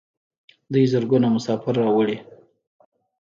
دوی زرګونه مسافر راوړي.